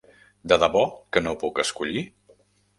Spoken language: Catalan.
De debò que no puc escollir.